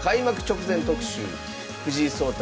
藤井聡太